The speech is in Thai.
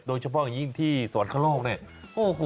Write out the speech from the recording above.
โดยเฉพาะอย่างยิ่งที่สวรรคโลกเนี่ยโอ้โห